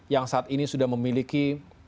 yang saat ini sudah memiliki